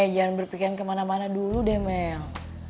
jangan berpikir kemana mana dulu deh mel